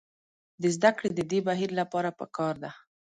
د زدکړې د دې بهیر لپاره پکار ده.